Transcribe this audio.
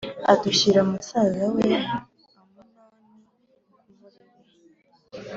adushyira musaza we Amunoni ku murere.